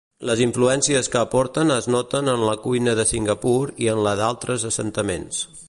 Les influències que aporten es noten en la cuina de Singapur i en la d'altres assentaments.